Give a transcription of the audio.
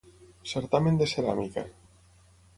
Certamen de Ceràmica.